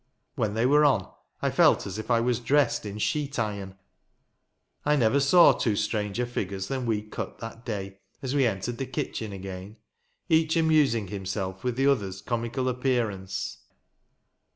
When they were on, I felt as if I was dressed in sheet iron. I never saw two stranger figures than we cut that day, as we entered the kitchen again, each amusing himself with the other's comical appearance.